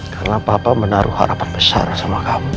karena papa menaruh harapan besar sama kamu